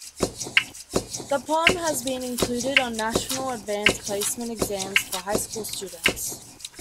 The poem has been included on national Advance Placement exams for high school students.